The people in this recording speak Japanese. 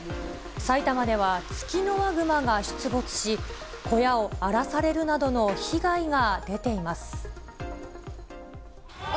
埼玉では、ツキノワグマが出没し、小屋を荒らされるなどの被害が出ています。